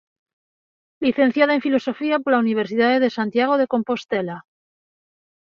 Licenciada en Filosofía pola Universidade de Santiago de Compostela.